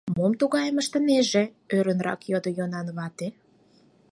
— Мом тугайым ыштенже? — ӧрынрак йодо Йонан вате.